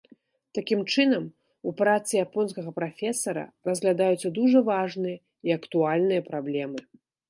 Такім чынам, у працы японскага прафесара разглядаюцца дужа важныя і актуальныя праблемы.